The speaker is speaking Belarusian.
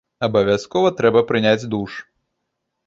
Абавязкова трэба прыняць душ.